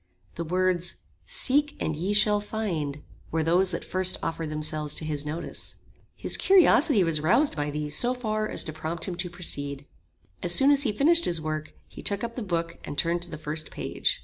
The words "Seek and ye shall find," were those that first offered themselves to his notice. His curiosity was roused by these so far as to prompt him to proceed. As soon as he finished his work, he took up the book and turned to the first page.